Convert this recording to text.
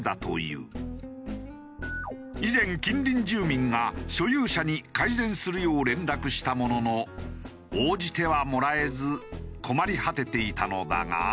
以前近隣住民が所有者に改善するよう連絡したものの応じてはもらえず困り果てていたのだが。